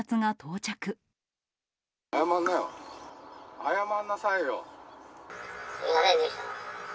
謝んなよ。